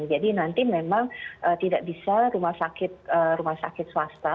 nanti memang tidak bisa rumah sakit swasta